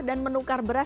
dan menukar beras